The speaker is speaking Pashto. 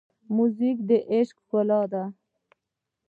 موزیک د عشقه ښکلا ده.